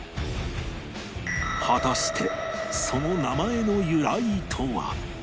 果たしてその名前の由来とは？